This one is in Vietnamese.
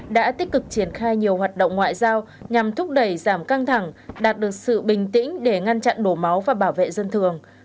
đã tích cực triển khai nhiều hoạt động ngoại giao nhằm thúc đẩy giảm căng thẳng đạt được sự bình tĩnh để ngăn chặn đổ máu và bảo vệ dân thường